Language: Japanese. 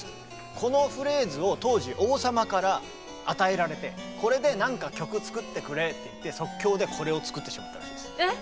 このフレーズを当時王様から与えられてこれで何か曲作ってくれって言って即興でこれを作ってしまったらしいです。